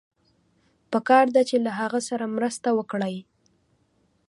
پکار ده چې له هغه سره مرسته وکړئ.